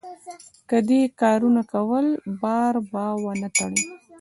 که دې دا کارونه کول؛ بار به و نه تړې.